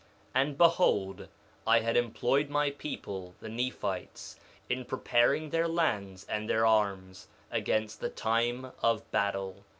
And behold, I had employed my people, the Nephites, in preparing their lands and their arms against the time of battle.